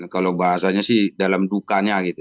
kalau bahasanya sih dalam dukanya gitu